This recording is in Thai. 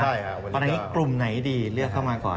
ใช่ค่ะวันนี้กลุ่มไหนดีเลือกเข้ามาก่อน